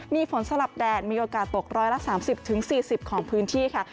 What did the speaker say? มีฝนสลับแดดมีโอกาสตก๑๓๐๔๐ของพื้นที่ค่ะ